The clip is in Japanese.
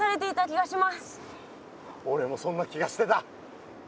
おれもそんな気がしてた。